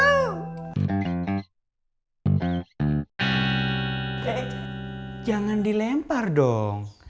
dek jangan dilempar dong